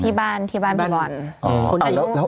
ทีบ้านหล่ะ